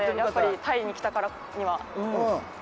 タイに来たからには。